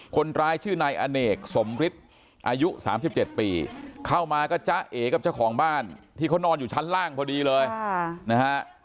คนร้ายชื่อนายอเนกสมฤทธิ์อายุ๓๗ปีเข้ามาก็จ๊ะเอกับเจ้าของบ้านที่เขานอนอยู่ชั้นล่างพอดีเลยนะฮะ